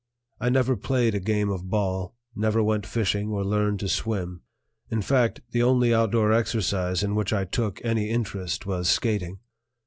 I never played a game of ball, never went fishing or learned to swim; in fact, the only outdoor exercise in which I took any interest was skating.